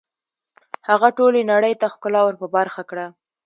هغه ټولې نړۍ ته ښکلا ور په برخه کړه